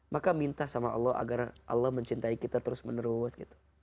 maka minta sama allah agar allah mencintai kita terus menerus gitu